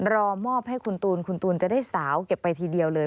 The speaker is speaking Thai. รอมอบให้คุณตูนคุณตูนจะได้สาวเก็บไปทีเดียวเลย